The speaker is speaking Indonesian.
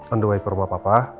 anduai ke rumah papa